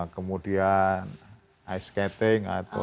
kemudian ice skating atau